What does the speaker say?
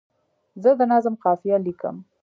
زه د نظم قافیه لیکم.